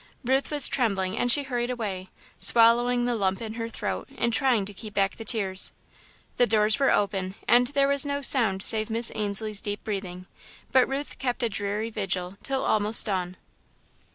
Ruth was trembling and she hurried away, swallowing the lump in her throat and trying to keep back the tears. The doors were open, and there was no sound save Miss Ainslie's deep breathing, but Ruth kept a dreary vigil till almost dawn.